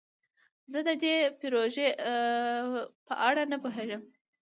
زه د دې پروژې په اړه نه پوهیږم.